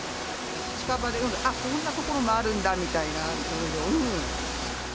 近場で、あっ、こんな所もあるんだみたいな。